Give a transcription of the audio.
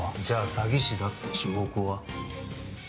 じゃあ詐欺師だって証拠は？